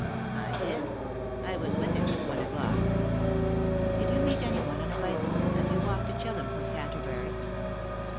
"I did. I was with him at one o'clock." "Did you meet anyone on a bicycle as you walked to Chillum from Canterbury?"